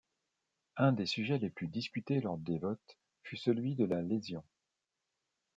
Un des sujets les plus discutés lors des votes fut celui de la lésion.